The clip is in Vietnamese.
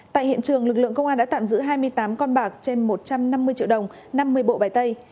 tại hiện trường lực lượng công an đã tạm giữ hai mươi tám con bạc trên một trăm năm mươi triệu đồng năm mươi bộ bài tay